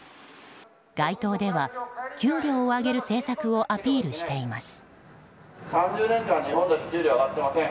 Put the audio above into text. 街頭では給料を上げる政策をアピールしています。